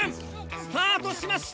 スタートしました！